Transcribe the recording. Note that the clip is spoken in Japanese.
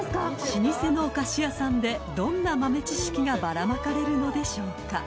［老舗のお菓子屋さんでどんな豆知識がバラまかれるのでしょうか？］